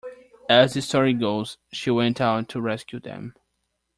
As the story goes, she went out to rescue them.